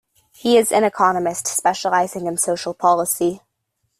He is an economist specializing in social policy.